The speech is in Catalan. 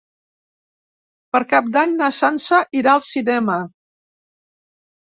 Per Cap d'Any na Sança irà al cinema.